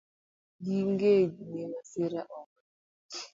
Ging'e ni masira ok